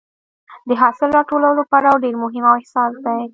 د حاصل راټولولو پړاو ډېر مهم او حساس دی.